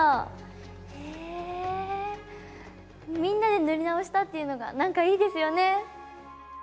みんなで塗り直したっていうのが何かいいですよね。